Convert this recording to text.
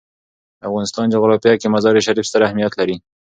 د افغانستان جغرافیه کې مزارشریف ستر اهمیت لري.